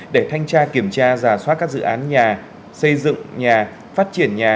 để thanh tra kiểm tra và xóa các dự án nhà xây dựng nhà phát triển nhà